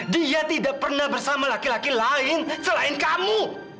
dia tidak pernah bersama laki laki lain selain kamu